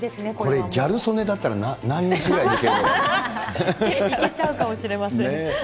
これ、ギャル曽根だったら何いけちゃうかもしれません。